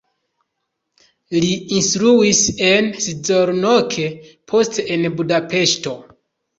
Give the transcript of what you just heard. Li instruis en Szolnok, poste en Budapeŝto.